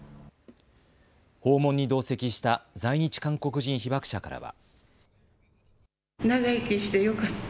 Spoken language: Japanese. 訪問に同席した在日韓国人被爆者からは。